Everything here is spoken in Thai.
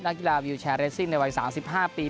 กีฬาวิวแชร์เรสซิ่งในวัย๓๕ปี